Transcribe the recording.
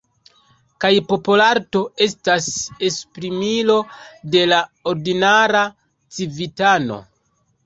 Kaj popolarto estas esprimilo de la ordinara civitano.